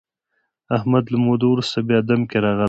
احمد له مودو ورسته بیا دم کې راغلی دی.